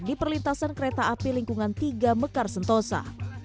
di perlintasan kereta api lingkungan tiga mekar sentosa